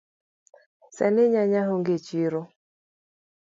Sani nyanya onge echiro.